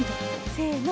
せの。